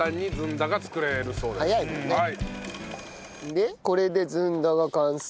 でこれでずんだが完成。